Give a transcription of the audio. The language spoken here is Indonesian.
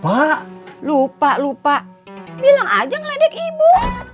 pak lupa lupa bilang aja ngeledek ibu